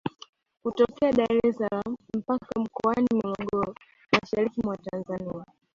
Kutokea Dar es salaam mpaka Mkoani Morogoro mashariki mwa Tanzania